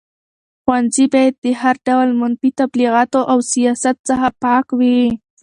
ښوونځي باید د هر ډول منفي تبلیغاتو او سیاست څخه پاک وي.